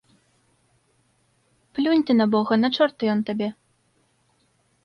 Плюнь ты на бога, на чорта ён табе.